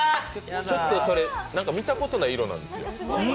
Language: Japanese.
それ、見たことない色なんですよ。